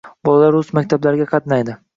Bolalari rus maktablarga qatnaydi.